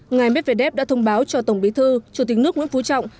ngài mếp về đép đã thông báo cho tổng bí thư chủ tịch nước nguyễn phú trọng